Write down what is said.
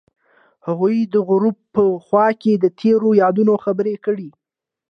هغوی د غروب په خوا کې تیرو یادونو خبرې کړې.